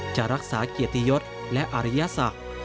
จะรักษาเกียรติยศและอริยศักดิ์